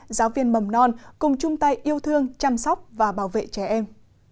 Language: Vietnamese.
giáo viên mầm non cùng chung tay yêu thương chăm sóc và bảo vệ trẻ em